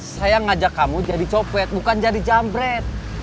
saya ngajak kamu jadi copet bukan jadi jambret